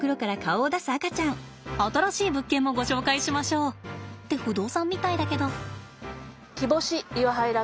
新しい物件もご紹介しましょう。って不動産みたいだけど。